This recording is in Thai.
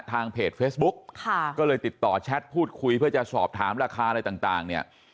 ทางเพจเฟซบุ๊กค่ะก็เลยติดต่อแชทพูดคุยเพื่อจะสอบถามราคาอะไรต่างเนี่ย